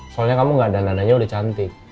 soalnya kamu nggak dandan dannya udah cantik